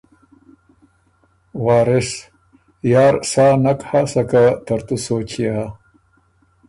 وارث: یار سا نک هۀ سکه ترتُو سوچ يې هۀ۔